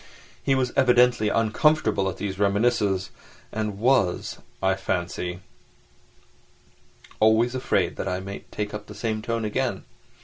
He was evidently uncomfortable at these reminiscences, and was, I fancy, always afraid that I might take up the same tone again.